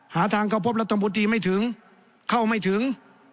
หาทางเขาพบแล้วตมปุติไม่ถึงเข้าไม่ถึง